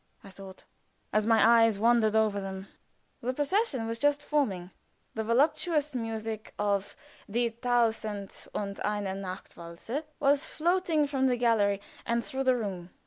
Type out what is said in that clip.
I thought, as my eyes wandered over them. The procession was just forming; the voluptuous music of "Die Tausend und eine Nacht" waltzes was floating from the gallery and through the room.